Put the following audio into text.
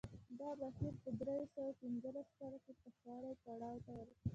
دا بهیر په درې سوه پنځلس کال کې پوخوالي پړاو ته ورسېد